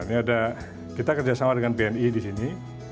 ini ada kita kerjasama dengan bni di sini